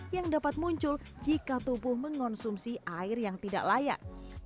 yang dapat muncul jika tubuh mengonsumsi air yang tidak layak